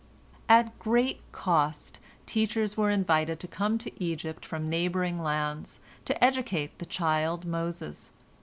At great cost teachers were invited to come to Egypt from neighboring lands, to educate the child Moses.